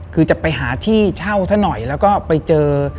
คือจะไปหาที่เช่าเท่าน่ะหน่อย